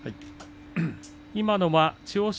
今のは千代翔